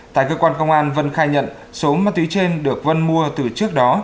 tại cơ quan công an vân khai nhận số ma túy trên được vân mua từ trước đó